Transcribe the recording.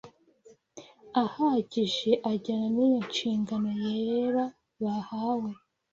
ahagije ajyana n’iyo nshingano yera bahawe